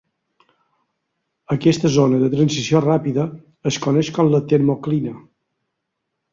Aquesta zona de transició ràpida es coneix com la termoclina.